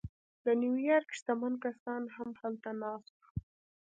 د نیویارک شتمن کسان هم هلته ناست وو